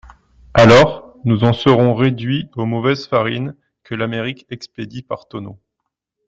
Alors, nous en serons réduits aux mauvaises farines que l'Amérique expédie par tonneaux.